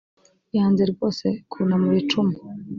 yanze rwose kunamura icumu